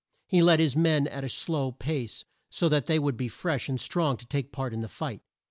He led his men at a slow pace, so that they would be fresh and strong to take part in the fight.